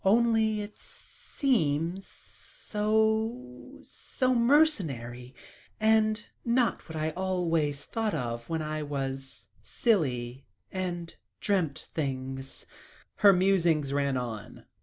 Only it seems so so mercenary and not what I always thought of when I was silly and dreamt things," her musings ran on.